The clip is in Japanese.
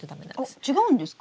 あっ違うんですか？